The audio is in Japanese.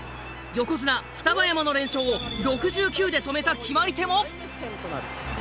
横綱双葉山の連勝を６９で止めた決まり手も。